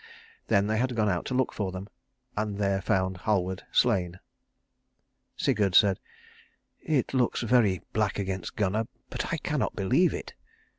Then they had gone out to look for them, and there found Halward slain. Sigurd said, "It looks very black against Gunnar, but I cannot believe it.